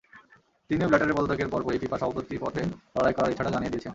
তিনিও ব্ল্যাটারের পদত্যাগের পরপরই ফিফার সভাপতি পদে লড়াই করার ইচ্ছাটা জানিয়ে দিয়েছেন।